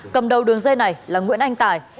cầm đầu đường dây này là nguyễn anh tài